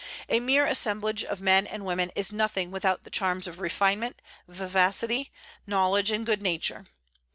A mere assemblage of men and women is nothing without the charms of refinement, vivacity, knowledge, and good nature.